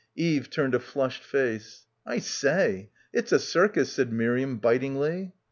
Eve turned a flushed face. "I say; it's a circus," said Miriam bitingly.